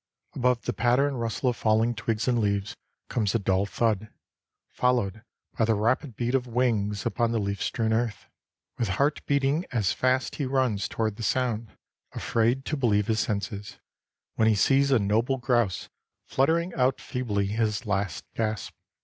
Above the patter and rustle of falling twigs and leaves comes a dull thud, followed by the rapid beat of wings upon the leaf strewn earth. With heart beating as fast he runs toward the sound, afraid to believe his senses, when he sees a noble grouse fluttering out feebly his last gasp.